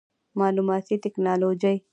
معلوماتي ټکنالوجي